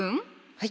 はい。